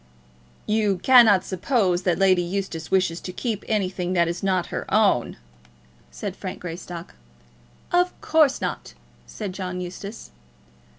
"You cannot suppose that Lady Eustace wishes to keep anything that is not her own," said Frank Greystock. "Of course not," said John Eustace.